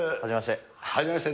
はじめまして。